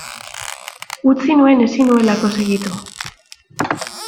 Utzi nuen ezin nuelako segitu.